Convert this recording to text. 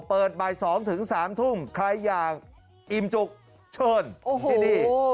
เปิดบ่าย๒๓ทุ่มใครอยากอิมจุกเชิญที่ดี